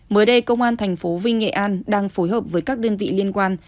mới đây công an tp vinh nghệ an đang phối hợp với các đơn vị liên quan